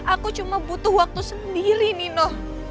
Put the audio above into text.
aku cuma butuh waktu sendiri nino